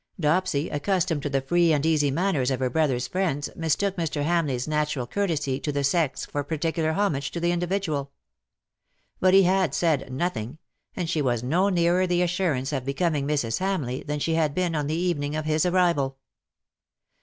Dopsy, accustomed to the free and easy manners of her brother^s friends, mistook Mr. Hamleigh's natural courtesy to the sex for particular homage to the individual. But he had "said nothing/'' and she was no nearer the assurance of becoming Mrs. Hamleigh than she had been on the evening of his arrival.